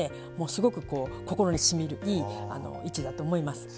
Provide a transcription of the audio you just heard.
すごく心にしみるいい市だと思います。